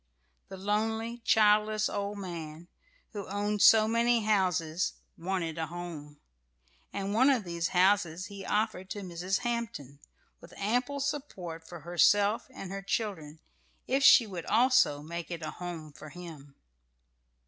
The lonely, childless old man, who owned so many houses, wanted a home; and one of these houses he offered to Mrs. Hampton, with ample support for herself and her children, if she would also make it a home for him.